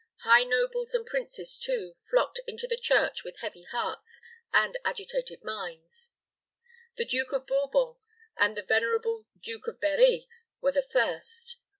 High nobles and princes, too, flocked into the church with heavy hearts and agitated minds. The Duke of Bourbon and the venerable Duke of Berri were the first.